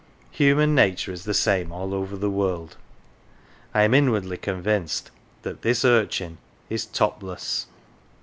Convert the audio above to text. Human nature is the same all over the world I am inwardly convinced that this urchin is topless.